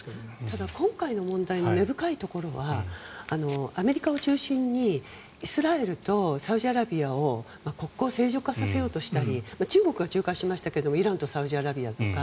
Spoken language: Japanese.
ただ、今回の問題の根深いところはアメリカを中心にイスラエルとサウジアラビアを国交正常化させようとしたり中国が仲介しましたがイランとサウジアラビアとか。